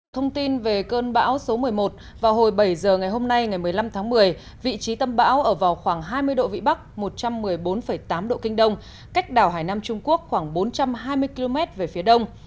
thông tin về cơn bão số một mươi một vào hồi bảy giờ ngày hôm nay ngày một mươi năm tháng một mươi vị trí tâm bão ở vào khoảng hai mươi độ vĩ bắc một trăm một mươi bốn tám độ kinh đông cách đảo hải nam trung quốc khoảng bốn trăm hai mươi km về phía đông